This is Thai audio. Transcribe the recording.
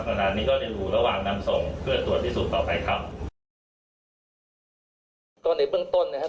สำหรับนี้ก็ได้รู้ระหว่างนำส่งเพื่อตรวจที่สุดต่อไปครับก็ในเบื้องต้นนะครับ